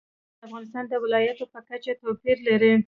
تالابونه د افغانستان د ولایاتو په کچه توپیر لري.